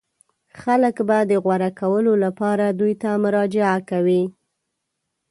خلک به د غوره کولو لپاره دوی ته مراجعه کوي.